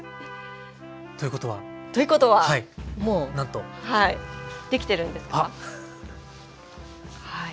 ということは。ということはもうできてるんですか？